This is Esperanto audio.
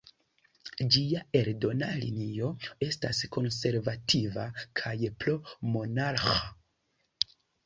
Ĝia eldona linio estas konservativa kaj pro-monarĥa.